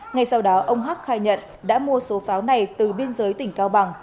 ngay sau đó ông hắc khai nhận đã mua số pháo này từ biên giới tỉnh cao bằng